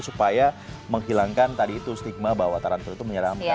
supaya menghilangkan tadi itu stigma bahwa tarantur itu menyeramkan